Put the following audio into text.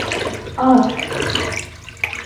Аҫ!